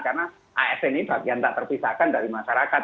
karena asn ini bagian tak terpisahkan dari masyarakat